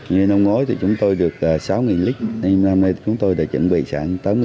như năm ngối thì chúng tôi được sáu lít năm nay chúng tôi đã chuẩn bị sản tám